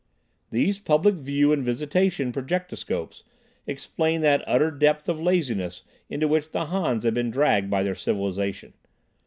These public view and visitation projectoscopes explain that utter depth of laziness into which the Hans had been dragged by their civilization.